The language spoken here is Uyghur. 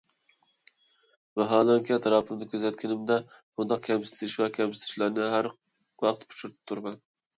ۋاھالەنكى، ئەتراپىمنى كۆزەتكىنىمدە بۇنداق كەمسىتىش ۋە كەمسىنىشلەرنى ھەر ۋاقىت ئۇچرىتىپ تۇرىمەن.